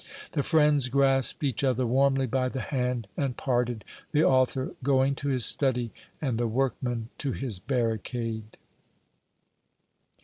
The friends grasped each other warmly by the hand and parted, the author going to his study and the workman to his barricade.